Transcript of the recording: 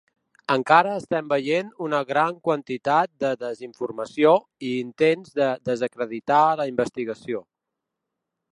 Encara estem veient una gran quantitat de desinformació i intents de desacreditar la investigació.